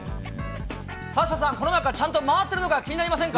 サッシャさん、この中ちゃんと回ってるのか、気になりませんか？